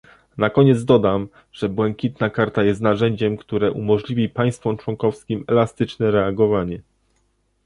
Na koniec dodam, że błękitna karta jest narzędziem, które umożliwi państwom członkowskim elastyczne reagowanie